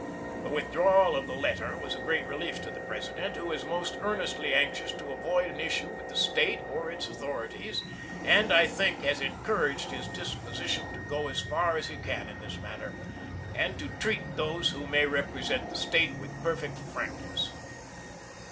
The withdrawal of the letter was a great relief to the President, who is most earnestly anxious to avoid an issue with the State or its author ities, and, I think, has encouraged his disposition to go as far as he can in this matter, and to treat those who may represent the State with perfect frankness.